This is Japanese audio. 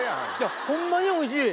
ホンマにおいしい！